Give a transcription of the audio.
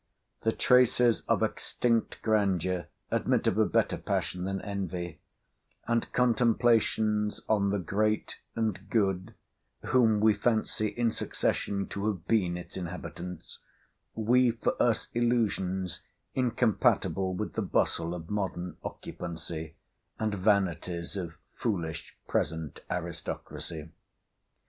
The traces of extinct grandeur admit of a better passion than envy: and contemplations on the great and good, whom we fancy in succession to have been its inhabitants, weave for us illusions, incompatible with the bustle of modern occupancy, and vanities of foolish present aristocracy.